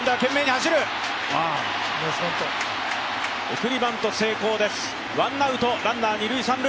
送りバント成功です、ワンアウトランナー二塁・三塁。